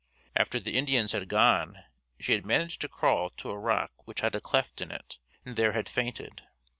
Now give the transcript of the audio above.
After the Indians had gone she had managed to crawl to a rock which had a cleft in it, and there had fainted.